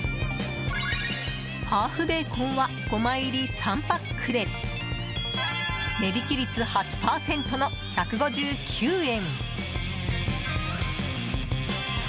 ハーフベーコンは５枚入り３パックで値引き率８％の１５９円。